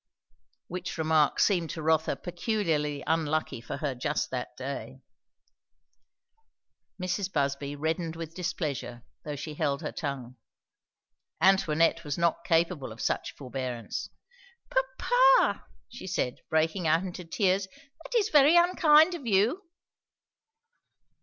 Which remark seemed to Rotha peculiarly unlucky for her just that day. Mrs. Busby reddened with displeasure though she held her tongue. Antoinette was not capable of such forbearance. "Papa!" she said, breaking out into tears, "that is very unkind of you!"